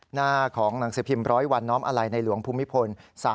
หน้าของหนังสือพิมพ์๑๐๐วันน้อมอาลัยในหลวงภูมิพล